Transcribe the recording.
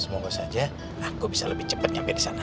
semoga saja aku bisa lebih cepat sampai di sana